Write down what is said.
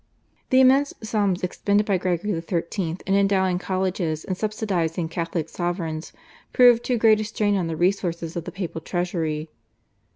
The immense sums expended by Gregory XIII. in endowing colleges and subsidising Catholic sovereigns proved too great a strain on the resources of the papal treasury.